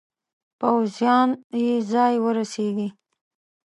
پوځیان یې ځای ورسیږي.